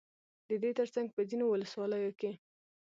ددې ترڅنگ په ځينو ولسواليو كې